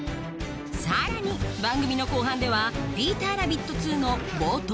さらに番組の後半では『ピーターラビット２』の冒頭